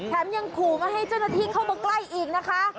ยังขู่ไม่ให้เจ้าหน้าที่เข้ามาใกล้อีกนะคะ